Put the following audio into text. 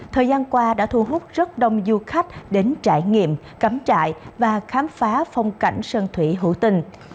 thời gian qua đã thu hút rất đông du khách đến trải nghiệm cắm trại và khám phá phong cảnh sơn thủy hữu tình